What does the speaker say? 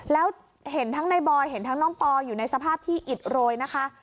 แล้วเห็นทั้งในบอยเห็นทั้งน้องปออยู่ในสภาพที่อิดโรยนะคะ